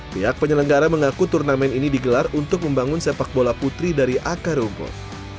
pihak penyelenggara mengaku turnamen ini digelar untuk membangun sepak bola putri dari akar rumput